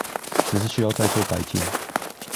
只是需要再做改進